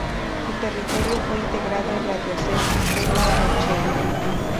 Su territorio fue integrado en la diócesis de La Rochelle.